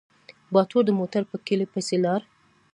باتور د موټر په کيلي پسې لاړ.